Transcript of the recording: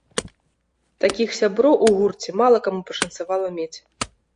Такіх сяброў у гурце мала каму пашанцавала мець.